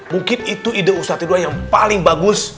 mungkin itu ide ustadz ridwan yang paling bagus